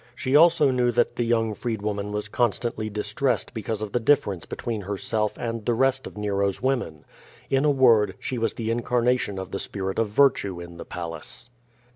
She also knew that the young freedwoman was constantly distressed because of the difference between herself and the rest of Nero's women: in a word, she was the incarnation of the spirit of virtue in the palace.